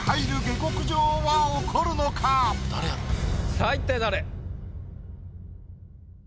さぁ一体誰？